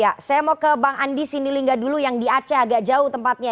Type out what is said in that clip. ya saya mau ke bang andi sindilingga dulu yang di aceh agak jauh tempatnya